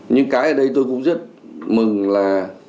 nhưng cái ở đây tôi cũng rất mừng là